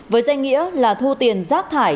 với danh nghĩa là thu tiền rác thải